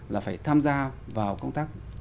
là phải tham gia vào công tác